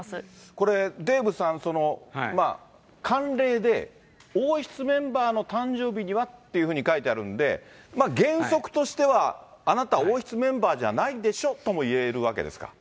これ、デーブさん、慣例で、王室メンバーの誕生日にはって書いてあるんで、原則としては、あなた、王室メンバーじゃないでしょとも言えるわけですか。